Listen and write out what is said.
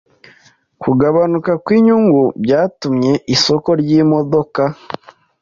Kugabanuka kwinyungu byatumye isoko ryimodoka.